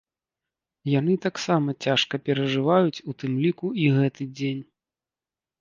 Яны таксама цяжка перажываюць у тым ліку і гэты дзень.